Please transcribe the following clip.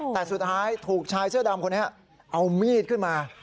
แต่สุดท้ายถูกชายเสื้อดำคนนี้เอามีดขึ้นมา